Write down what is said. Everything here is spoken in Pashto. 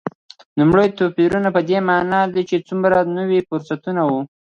لومړ توپیرونه په دې معنا چې څومره نوي فرصتونه و.